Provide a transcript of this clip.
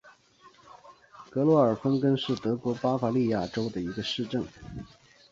格罗尔芬根是德国巴伐利亚州的一个市镇。